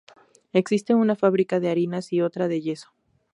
Existe una fábrica de harinas y otra de yeso.